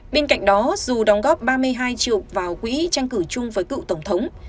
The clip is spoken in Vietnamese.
bên cạnh đó dù đóng góp ba mươi hai triệu vào quỹ tranh cử chung với cựu tổng thống